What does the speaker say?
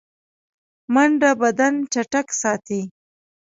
منډه بدن چټک ساتي